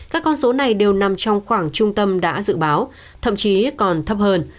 các con số này đều nằm trong khoảng trung tâm đã dự báo thậm chí còn thấp hơn